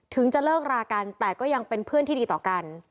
ถึงจะเลิกรากันแต่ก็ยังเป็นเพื่อนที่ดีต่อกัน